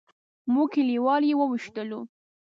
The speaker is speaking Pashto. موږ کلیوال یې وویشلو.